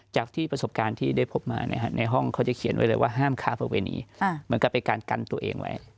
จากที่ประสบการณ์ที่ได้พบมาในห้องเขาจะเขียนไว้เลยว่าห้ามค้าประเวณีเหมือนกับเป็นการกันตัวเองไว้